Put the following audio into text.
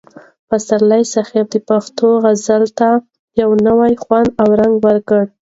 پسرلي صاحب د پښتو غزل ته یو نوی خوند او رنګ ورکړ.